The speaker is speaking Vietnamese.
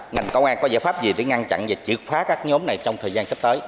ngành công an có giải pháp gì để ngăn chặn và triệt phá các nhóm này trong thời gian sắp tới